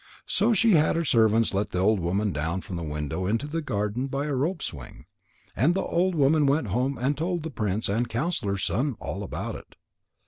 So she had her servants let the old woman down from the window into the garden by a rope swing. And the old woman went home and told the prince and the counsellor's son all about it.